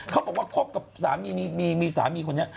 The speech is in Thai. เขาบอกว่าคบกับสามีคนเนี่ย